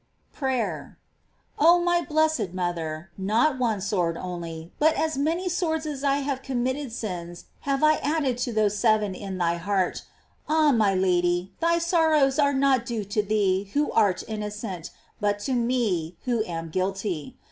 PRAYER. Oh my blessed mother, not one sword only, but as many swords as I have committed sins have I * Fase. di Hose, p. 2, c. & GLORIES OF MAKY. 545 added to those seven in thy heart. Ah, my Lady, thy sorrows are not due to thee who art inno cent, but to me who am guilty.